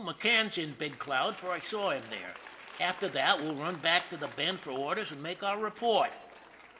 McCann's in Big Cloud, for I saw him there. After that we'll run back to the Bend for orders and make our report."